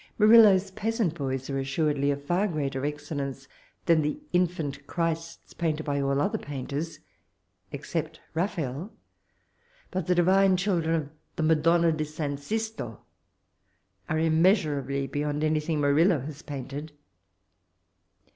Murillo's peasant boys are assuredly of far ||[reater excellence than the infant Ohnsts painted by all other painterci, except Raphael; but the divine children of the Madonna di San Sieto are immeasurablj^ be yond anything Murillo has painted.